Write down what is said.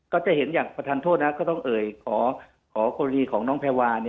ก็จะเห็นอย่างประธานโทษนะก็ต้องเอ่ยขอกรณีของน้องแพรวา